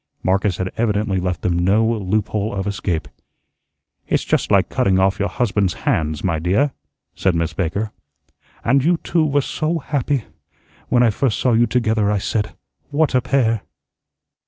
Marcus had evidently left them no loophole of escape. "It's just like cutting off your husband's hands, my dear," said Miss Baker. "And you two were so happy. When I first saw you together I said, 'What a pair!'"